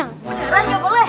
beneran gak boleh